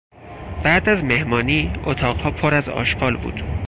بعد از مهمانی اتاقها پر از آشغال بود.